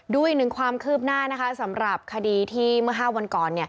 ดูอีกหนึ่งความคืบหน้านะคะสำหรับคดีที่เมื่อ๕วันก่อน